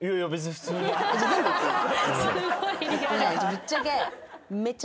ぶっちゃけ。